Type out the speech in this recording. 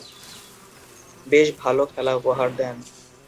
বেশ ভালো খেলা উপহার দেন।